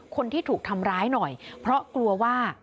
คนที่ถูกทำร้ายหน่อยเพราะกลัวว่า